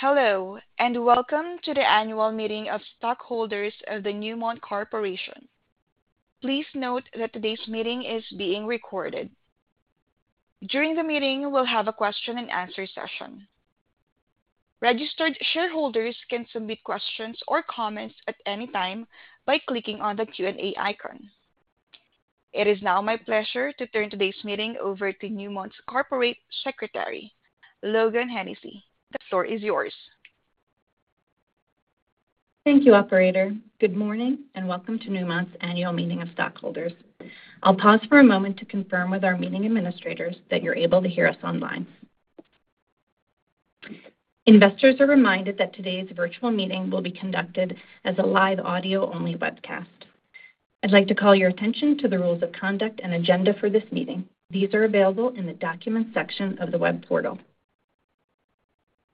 Hello, and welcome to the annual meeting of stockholders of the Newmont Corporation. Please note that today's meeting is being recorded. During the meeting, we'll have a question-and-answer session. Registered shareholders can submit questions or comments at any time by clicking on the Q&A icon. It is now my pleasure to turn today's meeting over to Newmont's Corporate Secretary, Logan Hennessey. The floor is yours. Thank you, Operator. Good morning and welcome to Newmont's annual meeting of stockholders. I'll pause for a moment to confirm with our meeting administrators that you're able to hear us online. Investors are reminded that today's virtual meeting will be conducted as a live audio-only webcast. I'd like to call your attention to the rules of conduct and agenda for this meeting. These are available in the documents section of the web portal.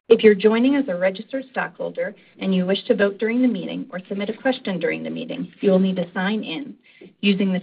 If you're joining as a registered stockholder and you wish to vote during the meeting or submit a question during the meeting, you will need to sign in using the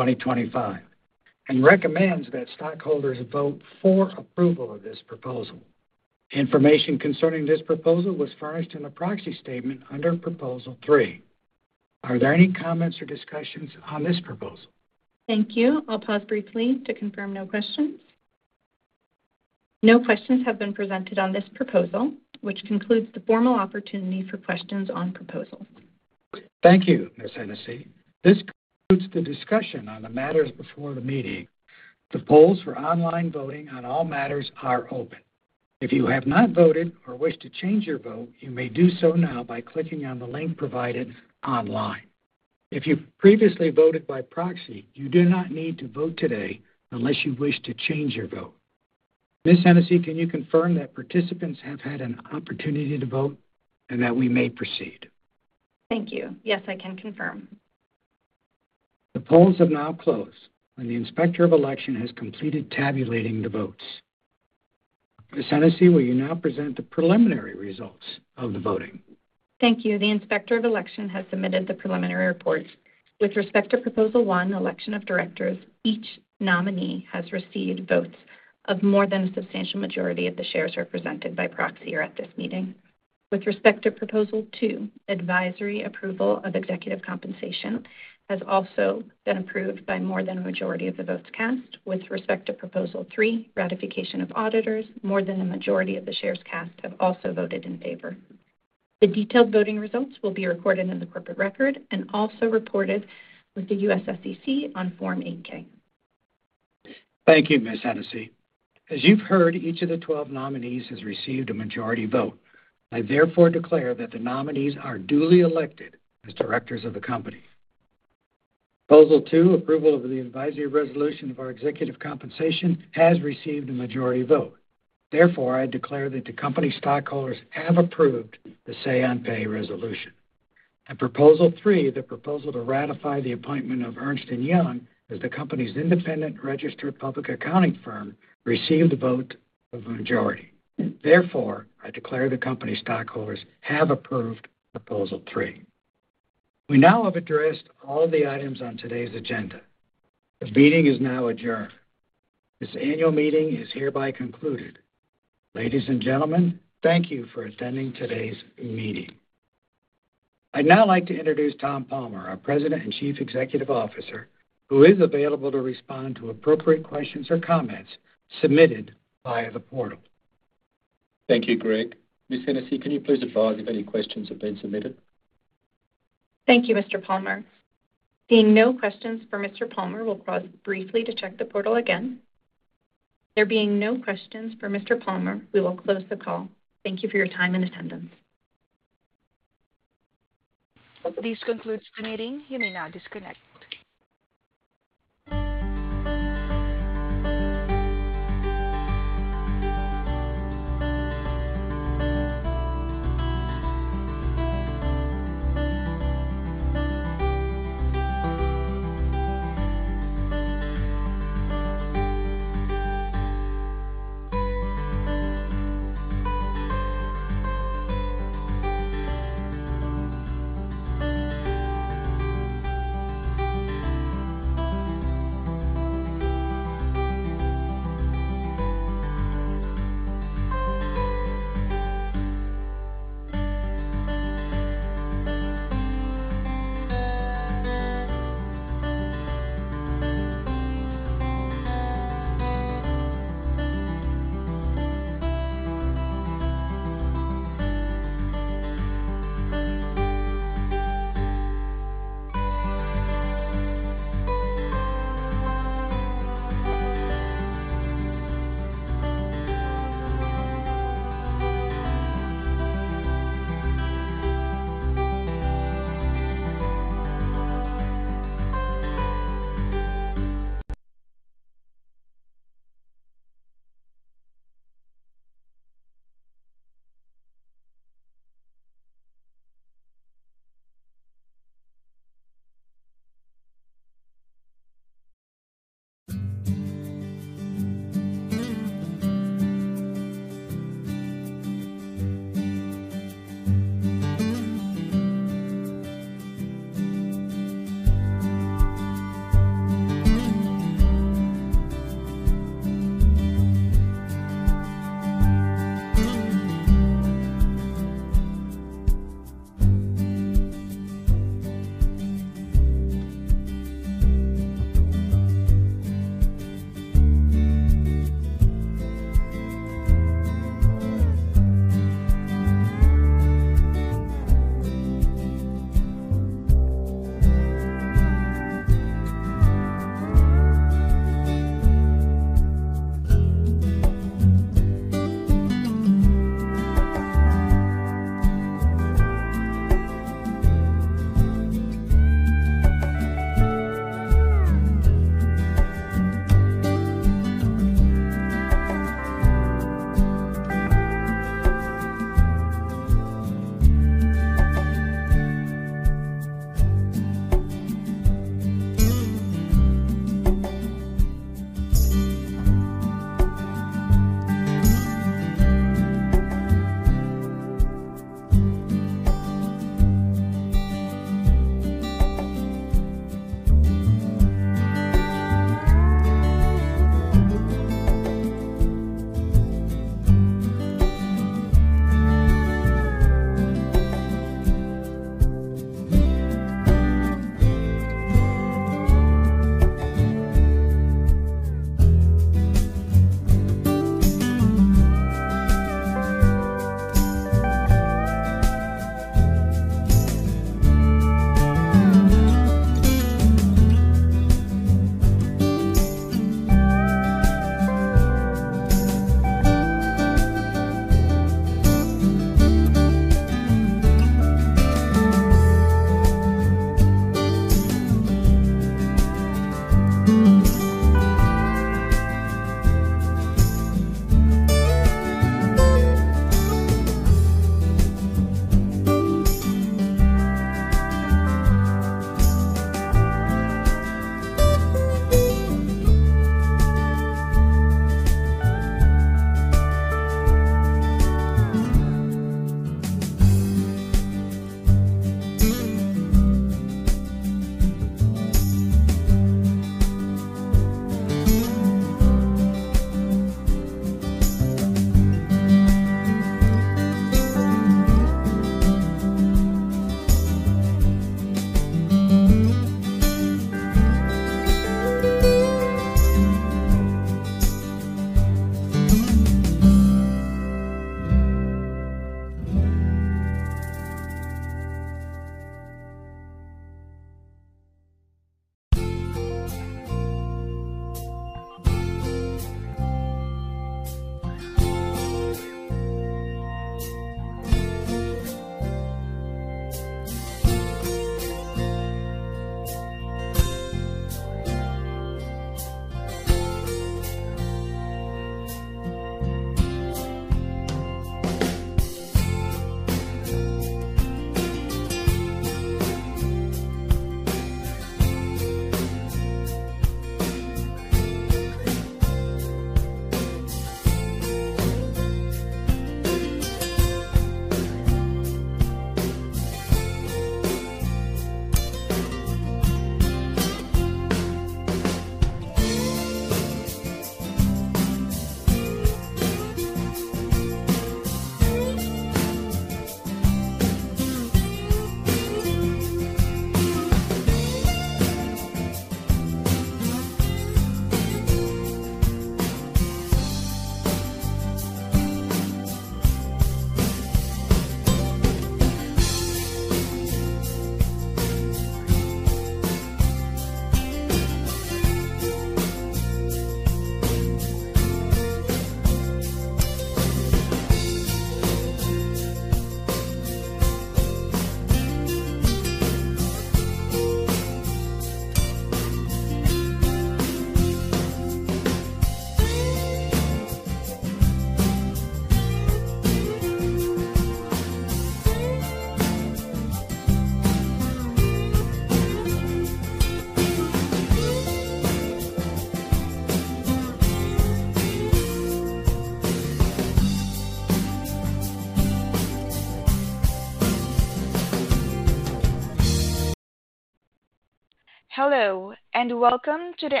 15-digit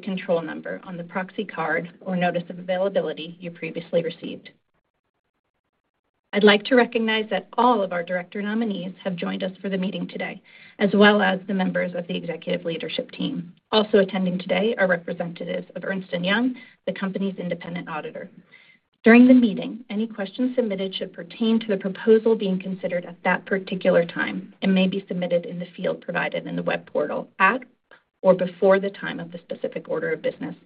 control number on the proxy card or notice of availability you previously received. I'd like to recognize that all of our director nominees have joined us for the meeting today, as well as the members of the executive leadership team. Also attending today are representatives of Ernst & Young, the company's independent auditor. During the meeting, any questions submitted should pertain to the proposal being considered at that particular time and may be submitted in the field provided in the web portal at or before the time of the specific order of business.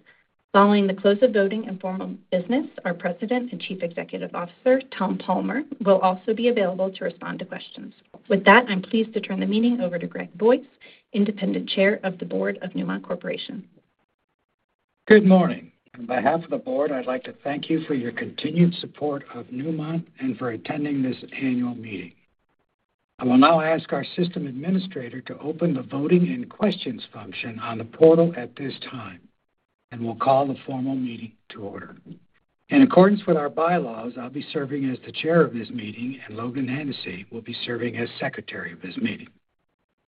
Following the close of voting and formal business, our President and Chief Executive Officer, Tom Palmer, will also be available to respond to questions. With that, I'm pleased to turn the meeting over to Greg Boyce, independent chair of the board of Newmont Corporation. Good morning. On behalf of the board, I'd like to thank you for your continued support of Newmont and for attending this annual meeting. I will now ask our system administrator to open the voting and questions function on the portal at this time, and we'll call the formal meeting to order. In accordance with our bylaws, I'll be serving as the chair of this meeting, and Logan Hennessey will be serving as secretary of this meeting.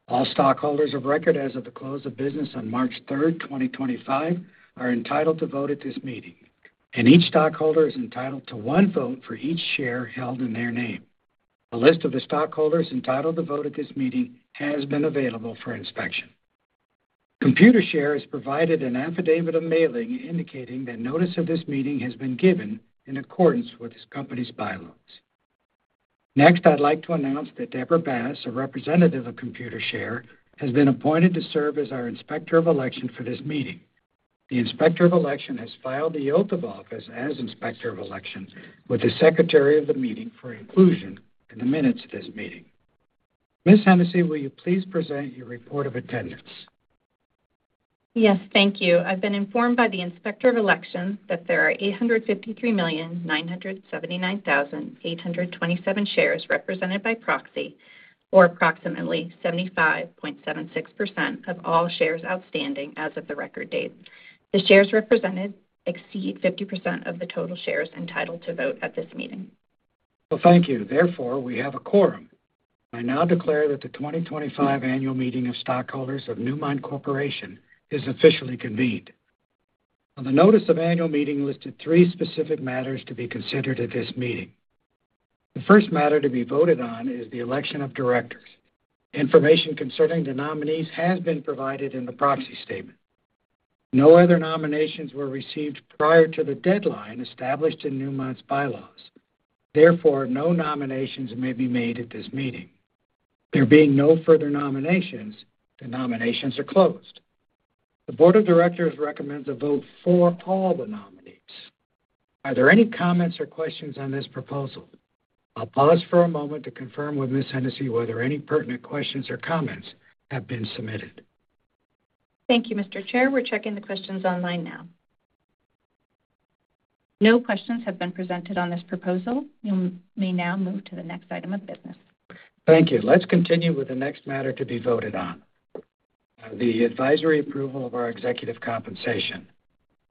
All stockholders of record as of the close of business on March 3, 2025, are entitled to vote at this meeting, and each stockholder is entitled to one vote for each share held in their name. The list of the stockholders entitled to vote at this meeting has been available for inspection. Computershare has provided an affidavit of mailing indicating that notice of this meeting has been given in accordance with this company's Bylaws. Next, I'd like to announce that Deborah Bass, a representative of Computershare, has been appointed to serve as our inspector of election for this meeting. The inspector of election has filed the oath of office as inspector of election with the secretary of the meeting for inclusion in the minutes of this meeting. Ms. Hennessey, will you please present your report of attendance? Yes, thank you. I've been informed by the inspector of election that there are 853,979,827 shares represented by proxy, or approximately 75.76% of all shares outstanding as of the record date. No other nominations were received prior to the deadline established in Newmont's bylaws. Therefore, no nominations may be made at this meeting. There being no further nominations, the nominations are closed. The board of directors recommends a vote for all the nominees. Are there any comments or questions on this proposal? I'll pause for a moment to confirm with Ms. Hennessey whether any pertinent questions or comments have been submitted. Thank you, Mr. Chair. We're checking the questions online now. No questions have been presented on this proposal. You may now move to the next item of business. Thank you. Let's continue with the next matter to be voted on: the advisory approval of our executive compensation.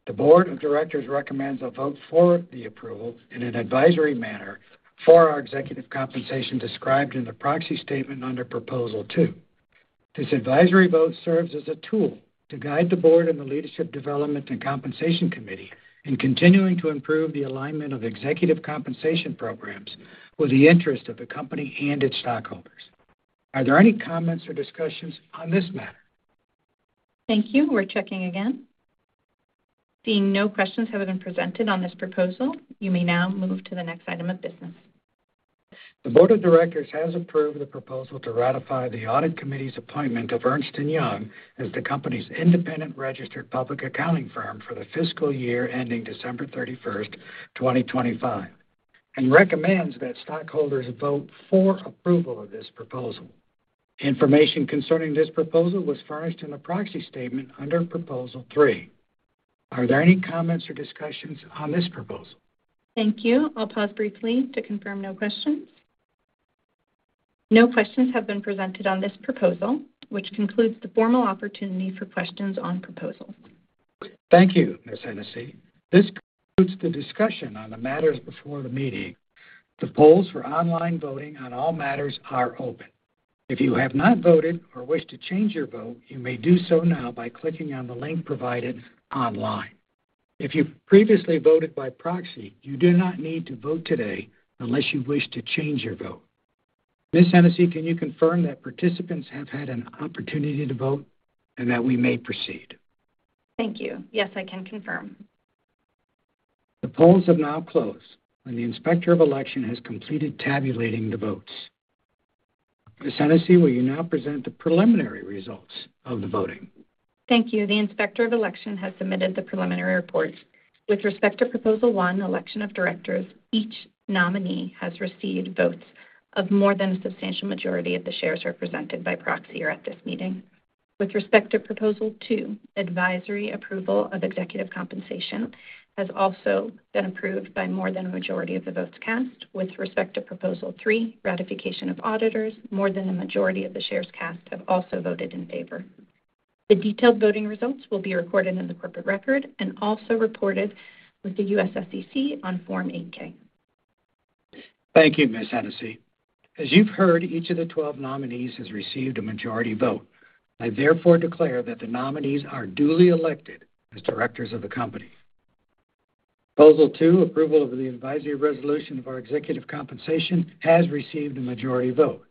The board of directors recommends a vote for the approval in an advisory manner for our executive compensation described in the proxy statement under Proposal 2. This advisory vote serves as a tool to guide the board and the Leadership Development and Compensation Committee in continuing to improve the alignment of executive compensation programs with the interest of the company and its stockholders. Are there any comments or discussions on this matter? Thank you. We're checking again. Being no questions have been presented on this proposal, you may now move to the next item of business. The board of directors has approved the proposal to ratify the audit committee's appointment of Ernst & Young as the company's independent registered public accounting firm for the fiscal year ending December 31, 2025, and recommends that stockholders vote for approval of this proposal. Information concerning this proposal was furnished in the proxy statement under proposal three. Are there any comments or discussions on this proposal? Thank you. I'll pause briefly to confirm no questions. No questions have been presented on this proposal, which concludes the formal opportunity for questions on proposal. Thank you, Ms. Hennessey. This concludes the discussion on the matters before the meeting. The polls for online voting on all matters are open. If you have not voted or wish to change your vote, you may do so now by clicking on the link provided online. If you previously voted by proxy, you do not need to vote today unless you wish to change your vote. Ms. Hennessey, can you confirm that participants have had an opportunity to vote and that we may proceed? Thank you. Yes, I can confirm. The polls have now closed, and the inspector of election has completed tabulating the votes. Ms. Hennessey, will you now present the preliminary results of the voting? Thank you. The inspector of election has submitted the preliminary reports. With respect to proposal one, election of directors, each nominee has received votes of more than a substantial majority of the shares represented by proxy or at this meeting. With respect to proposal two, advisory approval of executive compensation has also been approved by more than a majority of the votes cast. With respect to proposal three, ratification of auditors, more than a majority of the shares cast have also voted in favor. The detailed voting results will be recorded in the corporate record and also reported with the U.S. SEC on Form 8-K. Thank you, Ms. Hennessey. As you've heard, each of the 12 nominees has received a majority vote. I therefore declare that the nominees are duly elected as directors of the company. Proposal two, approval of the advisory resolution of our executive compensation, has received a majority vote.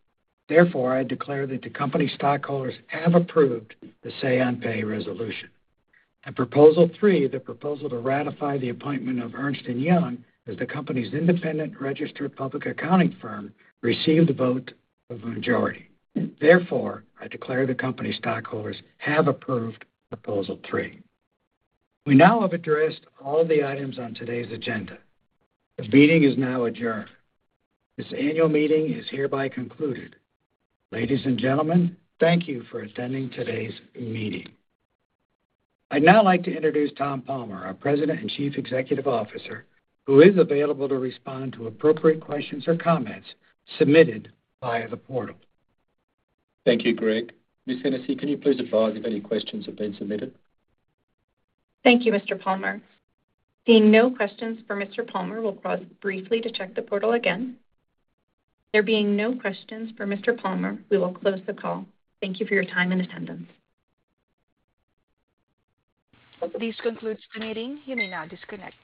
Therefore, I declare that the company's stockholders have approved the say-on-pay resolution. At proposal three, the proposal to ratify the appointment of Ernst & Young as the company's independent registered public accounting firm received a vote of a majority. Therefore, I declare the company's stockholders have approved proposal three. We now have addressed all the items on today's agenda. The meeting is now adjourned. This annual meeting is hereby concluded. Ladies and gentlemen, thank you for attending today's meeting. I'd now like to introduce Tom Palmer, our President and Chief Executive Officer, who is available to respond to appropriate questions or comments submitted via the portal. Thank you, Greg. Ms. Hennessey, can you please advise if any questions have been submitted? Thank you, Mr. Palmer. Being no questions for Mr. Palmer, we will pause briefly to check the portal again. There being no questions for Mr. Palmer, we will close the call. Thank you for your time and attendance. This concludes the meeting. You may now disconnect.